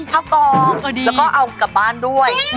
ข้าวกองแล้วก็เอากลับบ้านด้วย